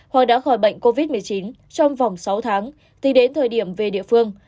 họ đã khỏi bệnh covid một mươi chín trong vòng sáu tháng tính đến thời điểm về địa phương